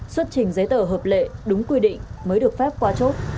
xuất trình giấy tờ hợp lệ đúng quy định mới được phép qua chốt